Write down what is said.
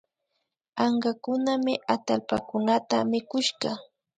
Ankakunami atallpakunata mikushka